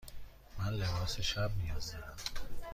من لباس شب نیاز دارم.